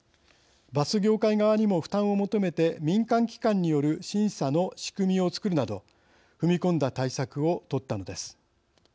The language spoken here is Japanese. バス業界側にも負担を求めて民間機関による審査の仕組みをつくるなど踏み込んだ対策を取ったのです。